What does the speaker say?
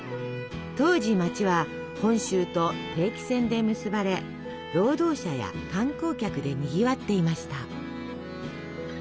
当時街は本州と定期船で結ばれ労働者や観光客でにぎわっていました。